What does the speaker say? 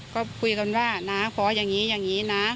ก็คุยกันว่าน้าขออย่างนี้อย่างนี้นะ